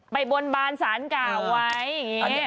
ไปบนบานสารกาวไว้อย่างนี้